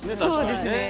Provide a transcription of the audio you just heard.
そうですね。